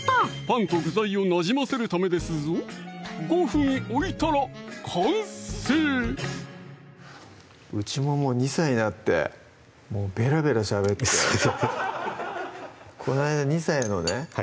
パンと具材をなじませるためですぞ５分置いたら完成うちももう２歳になってもうベラベラしゃべってこの間２歳のね